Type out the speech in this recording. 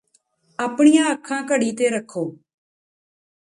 ਆਪਣੀਆਂ ਅੱਖਾਂ ਘੜੀ ਤੇ ਰੱਖੋ